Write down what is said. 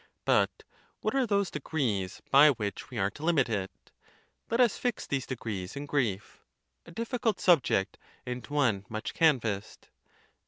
But what are those degrees by which we are to limit it? Let us fix these degrees in grief, a difficult sub ject, and one much canvassed.